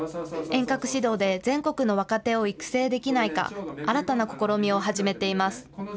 遠隔指導で、全国の若手を育成できないか、新たな試みを始めています。